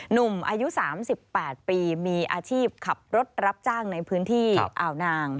หนุ่มอายุ๓๘ปีมีอาชีพขับรถรับจ้างในพื้นที่อ่าวนาง